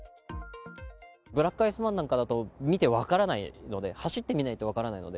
ブラックアイスバーンなんかだと見て分からないので、走ってみないと分からないので。